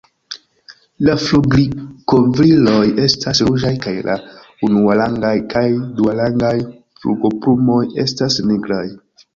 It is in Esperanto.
La flugilkovriloj estas ruĝaj, kaj la unuarangaj kaj duarangaj flugoplumoj estas nigraj.